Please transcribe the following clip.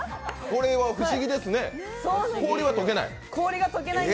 これは不思議ですね、氷は解けない？